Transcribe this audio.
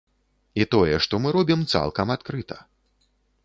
І тое, што мы робім, цалкам адкрыта.